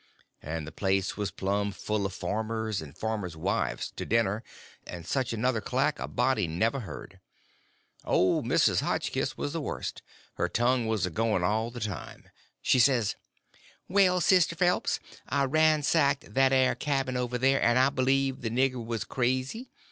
And the place was plum full of farmers and farmers' wives, to dinner; and such another clack a body never heard. Old Mrs. Hotchkiss was the worst; her tongue was a going all the time. She says: "Well, Sister Phelps, I've ransacked that air cabin over, an' I b'lieve the nigger was crazy.